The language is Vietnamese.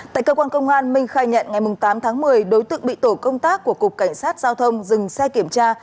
tại cơ quan công an minh khai nhận ngày tám tháng một mươi đối tượng bị tổ công tác của cục cảnh sát giao thông dừng xe kiểm tra